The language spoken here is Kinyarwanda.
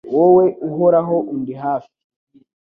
Wowe Uhoraho undi hafi